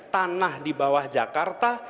tanah di bawah jakarta